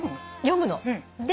読むの。